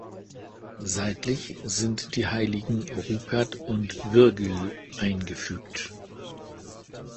Seitlich sind die Heiligen Rupert und Virgil eingefügt.